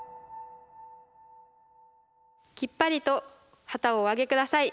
きっぱりと旗をお上げ下さい。